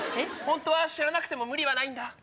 本当は知らなくても無理はないんだ。